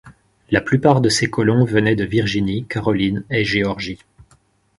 La plupart de ces colons venaient de Virginie, Caroline et Géorgie.